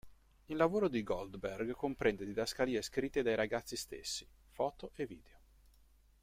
Il lavoro di Goldberg comprende didascalie scritte dai ragazzi stessi, foto e video.